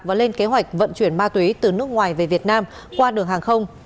và lên kế hoạch vận chuyển ma túy từ nước ngoài về việt nam qua đường hàng không